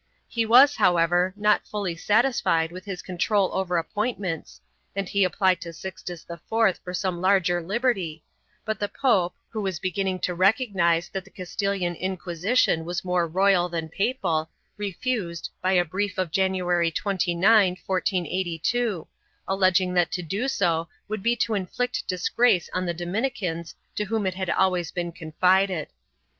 He was, however, not yet fully satisfied with his control over appointments and he applied to Sixtus IV for some larger liberty, but the pope, who was beginning to recog nize that the Castilian Inquisition was more royal than papal, refused, by a brief of January 29, 1482, alleging that to do so would be to inflict disgrace on the Dominicans to whom it had always been confided.